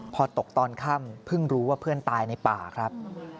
พอตกตอนค่ำเพิ่งรู้ว่าเพื่อนตายในป่าครับ